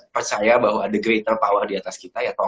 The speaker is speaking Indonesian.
percaya bahwa ada greater power di atas kita ya tahu kan